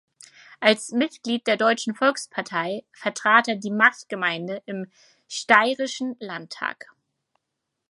Als Mitglied der Deutschen Volkspartei vertrat er die Marktgemeinde im Steirischen Landtag.